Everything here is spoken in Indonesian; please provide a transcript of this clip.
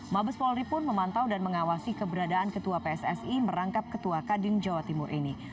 mabes polri pun memantau dan mengawasi keberadaan ketua pssi merangkap ketua kadin jawa timur ini